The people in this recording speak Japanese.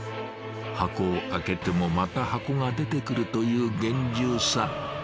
箱を開けてもまた箱が出てくるという厳重さ。